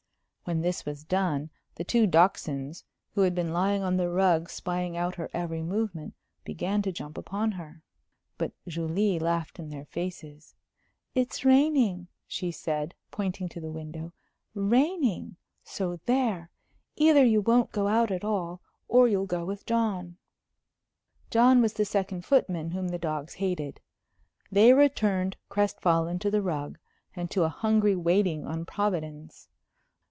When this was done the two dachshunds, who had been lying on the rug spying out her every movement, began to jump upon her. But Julie laughed in their faces. "It's raining," she said, pointing to the window "raining! So there! Either you won't go out at all, or you'll go with John." John was the second footman, whom the dogs hated. They returned crestfallen to the rug and to a hungry waiting on Providence.